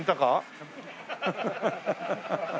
ハハハハ。